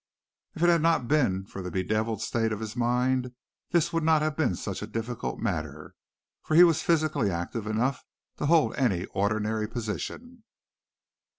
If it had not been for the bedeviled state of his mind this would not have been such a difficult matter, for he was physically active enough to hold any ordinary position.